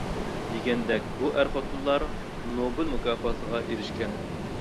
دېگەندەك بۇ ئەر-خوتۇنلار نوبېل مۇكاپاتىغا ئېرىشكەن.